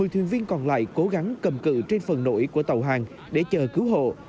một mươi thuyền viên còn lại cố gắng cầm cự trên phần nổi của tàu hàng để chờ cứu hộ